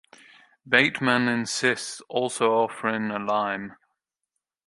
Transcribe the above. Bateman insists, also offering a lime.